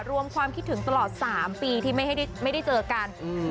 รวมความคิดถึงตลอดสามปีที่ไม่ให้ไม่ได้เจอกันอืม